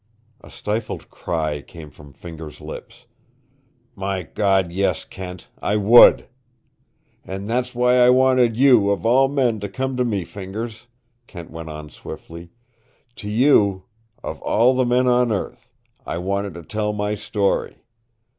A stifled cry came from Fingers' lips. "My God, yes, Kent I would!" "And that's why I wanted you, of all men, to come to me, Fingers," Kent went on swiftly. "To you, of all the men on earth, I wanted to tell my story.